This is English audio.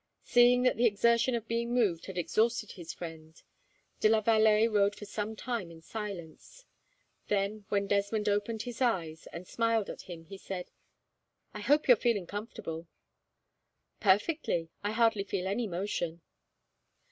Seeing that the exertion of being moved had exhausted his friend, de la Vallee rode for some time in silence. Then, when Desmond opened his eyes and smiled at him, he said: "I hope you are feeling comfortable?" "Perfectly. I hardly feel any motion."